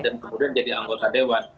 dan kemudian jadi anggota dewan